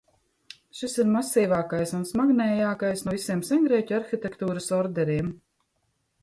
Šis ir masīvākais un smagnējākais no visiem sengrieķu arhitektūras orderiem.